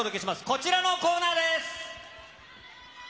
こちらのコーナーです。